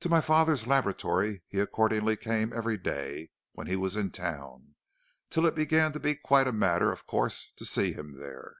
To my father's laboratory he accordingly came every day when he was in town, till it began to be quite a matter of course to see him there.